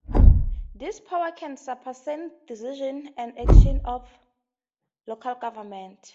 These powers can supersede decisions and actions of local governments.